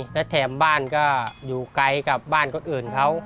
และแถมบ้านก็อยู่ไกลกับบ้านคนอื่นเขา